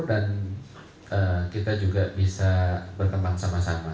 dan kita juga bisa berteman sama sama